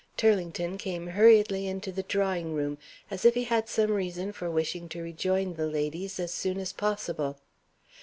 Turlington came hurriedly into the drawing room, as if he had some reason for wishing to rejoin the ladies as soon as possible.